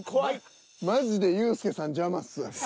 マジでユースケさん邪魔っす。